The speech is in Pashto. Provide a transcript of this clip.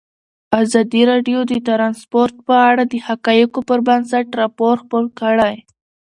ازادي راډیو د ترانسپورټ په اړه د حقایقو پر بنسټ راپور خپور کړی.